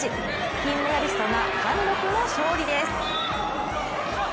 金メダリストが貫禄の勝利です。